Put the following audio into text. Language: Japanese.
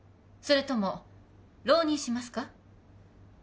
それとも浪人しますか？